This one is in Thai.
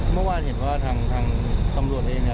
เมื่อวานเห็นว่าทางตำรวจเองเนี่ย